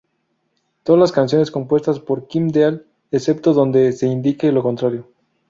Todas las canciones compuestas por Kim Deal, excepto donde se indique lo contrario.